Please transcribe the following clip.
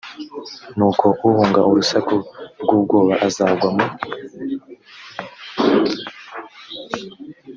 nuko uhunga urusaku rw ubwoba azagwa mu